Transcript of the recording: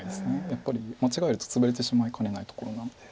やっぱり間違えるとツブれてしまいかねないところなので。